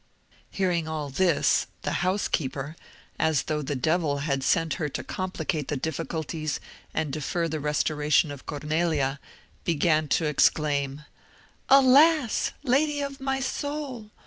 Hearing all this, the housekeeper, as though the devil had sent her to complicate the difficulties and defer the restoration of Cornelia, began to exclaim—"Alas! lady of my soul!